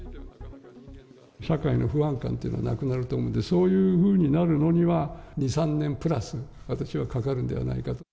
社会の不安感というのがなくなる、そういうふうになるのには、２、３年プラス、私はかかるんではないかと。